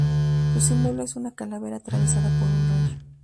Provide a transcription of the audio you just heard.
Su símbolo es una calavera atravesada por un rayo.